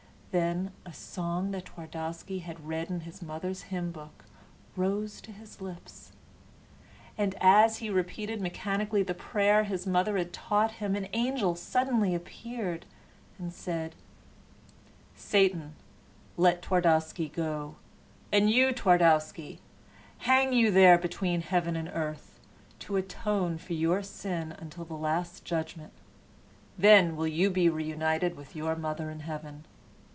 Then a song that Twardowski had read in his mother's hymn book rose to his lips. And as he repeated mechanically the prayer his mother had taught him an angel suddenly appeared and said: "Satan, let Twardowski go; and you, Twardowski, hang you there between heaven and earth, to atone for your sin until the Last Judgment. Then will you be reunited with your mother in heaven.